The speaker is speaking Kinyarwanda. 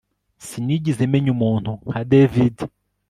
Sinigeze menya umuntu nka David